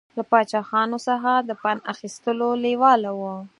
له پاچاهانو څخه د پند اخیستلو لېواله و.